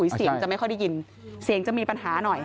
เสียงจะไม่ค่อยได้ยินเสียงจะมีปัญหาหน่อย